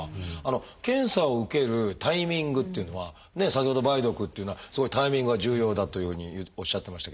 検査を受けるタイミングっていうのは先ほど梅毒っていうのはすごいタイミングが重要だというようにおっしゃってましたけど。